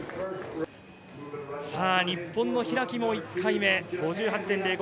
日本の開も１回目５８．０５。